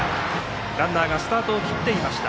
ランナーがスタートを切っていました。